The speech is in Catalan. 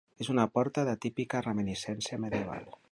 És una porta de típica reminiscència medieval.